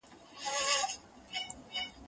هغه وويل چي کار مهم دي؟